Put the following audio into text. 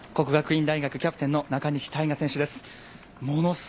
國學院大學キャプテンの中西大翔選手です。